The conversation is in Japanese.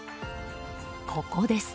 ここです。